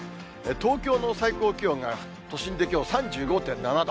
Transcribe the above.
東京の最高気温が都心できょう、３５．７度。